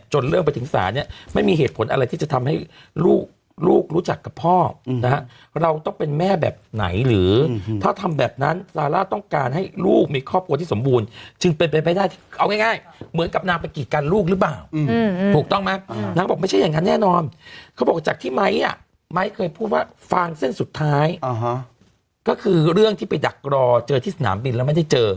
เรื่องไปถึงศาลเนี่ยไม่มีเหตุผลอะไรที่จะทำให้ลูกรู้จักกับพ่อนะฮะเราต้องเป็นแม่แบบไหนหรือถ้าทำแบบนั้นซาร่าต้องการให้ลูกมีครอบครัวที่สมบูรณ์จึงเป็นไปได้เอาง่ายเหมือนกับนางไปกีดกันลูกหรือเปล่าถูกต้องไหมนางก็บอกไม่ใช่อย่างนั้นแน่นอนเขาบอกจากที่ไมค์อ่ะไม้เคยพูดว่าฟางเส้นสุดท้ายก็คือเรื่องที่ไปดักรอเจอที่สนามบินแล้วไม่ได้เจอ